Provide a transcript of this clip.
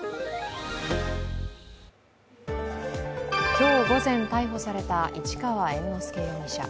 今日午前、逮捕された市川猿之助容疑者。